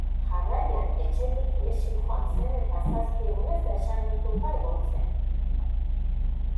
Jarraian etxetik ihesi joan zen eta zazpi egunez desagertuta egon zen.